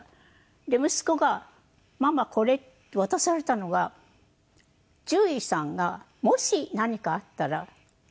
で息子が「ママこれ」って渡されたのが獣医さんがもし何かあったらこうやりなさいって。